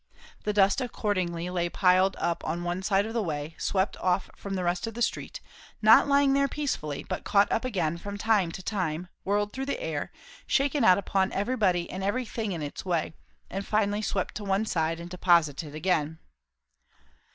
The dust accordingly lay piled up on one side of the way, swept off from the rest of the street; not lying there peacefully, but caught up again from time to time, whirled through the air, shaken out upon everybody and everything in its way, and finally swept to one side and deposited again.